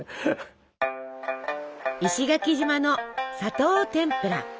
石垣島の「砂糖てんぷら」。